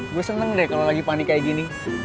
gue seneng deh kalau lagi panik kayak gini